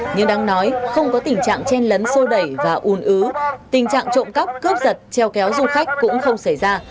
nhưng đáng nói không có tình trạng chen lấn sô đẩy và ùn ứ tình trạng trộm cắp cướp giật treo kéo du khách cũng không xảy ra